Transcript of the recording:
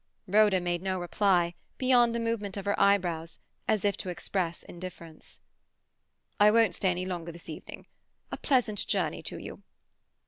Rhoda made no reply, beyond a movement of her eyebrows, as if to express indifference. "I won't stay longer this evening. A pleasant journey to you!"